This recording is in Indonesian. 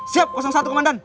siap satu komandan